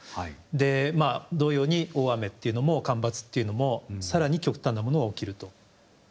でまあ同様に大雨っていうのも干ばつっていうのもさらに極端なものが起きると。